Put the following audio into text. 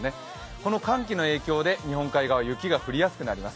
この寒気の影響で日本海側、雪が降りやすくなっています。